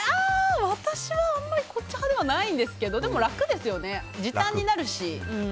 私はあんまりこっち派ではないんですけどでも楽ですよね、時短になるし。